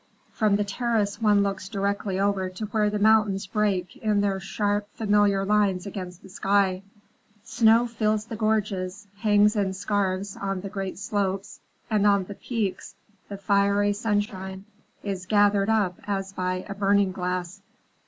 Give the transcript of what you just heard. From the terrace one looks directly over to where the mountains break in their sharp, familiar lines against the sky. Snow fills the gorges, hangs in scarfs on the great slopes, and on the peaks the fiery sunshine is gathered up as by a burning glass.